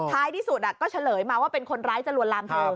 ท้ายที่สุดก็เฉลยมาว่าเป็นคนร้ายจะลวนลามเธอ